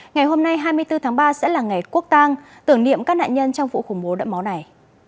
ngày hôm nay hai mươi bốn tháng ba sẽ là ngày quốc tang tưởng niệm các nạn nhân trong vụ khủng bố đẫm máu này